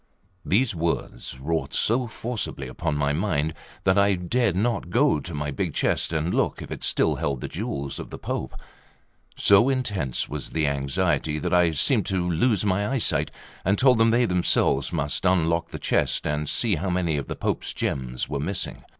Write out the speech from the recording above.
These words wrought so forcibly upon my mind that I dared not go to my big chest and look if it still held the jewels of the Pope. So intense was the anxiety, that I seemed to lose my eyesight, and told them they themselves must unlock the chest, and see how many of the Pope's gems were missing.